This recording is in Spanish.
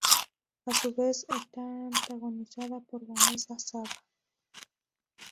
A su vez, está antagonizada por Vanessa Saba.